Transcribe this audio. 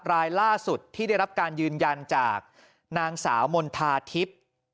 รายล่าสุดที่ได้รับการยืนยันจากนางสาวมณฑาทิพย์